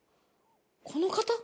この方？